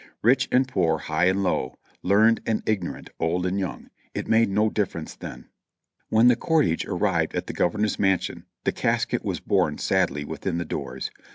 Rich and poor, high and low, learned and ignorant, old and young, it made no difference then. When the cortege arrived at the Governor's mansion the cas ket was borne sadly within the doors.